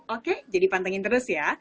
oke jadi pantengin terus ya